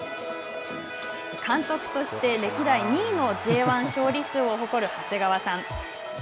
監督として歴代２位のＪ１勝利数を誇る長谷川さん。